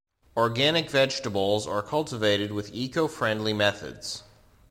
Organic vegetables are cultivated with eco-friendly methods.